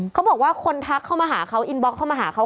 เขาบอกว่าคนทักเข้ามาหาเขาอินบล็อกเข้ามาหาเขา